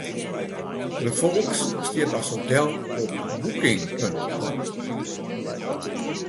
De Folks stiet as hotel op Booking.com.